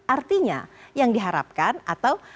artinya yang diharapkan atau